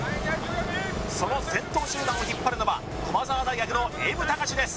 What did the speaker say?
その先頭集団を引っ張るのは駒澤大学のＭ高史です